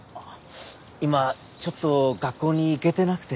今ちょっと学校に行けてなくて。